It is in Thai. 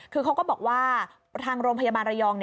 คือเขาก็บอกว่าทางโรงพยาบาลระยอง